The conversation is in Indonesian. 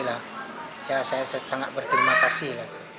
saya sangat berterima kasih